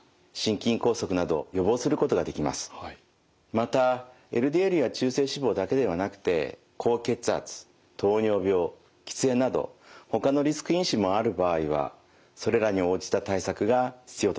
またＬＤＬや中性脂肪だけではなくて高血圧糖尿病喫煙などほかのリスク因子もある場合はそれらに応じた対策が必要となります。